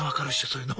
そういうの。